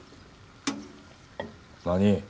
何？